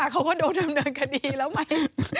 เขาก็โดนดำเนินคดีแล้วไหม